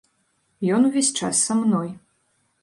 Ён увесь час са мной.